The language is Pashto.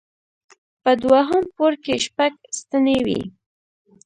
په دوهم پوړ کې شپږ ستنې وې.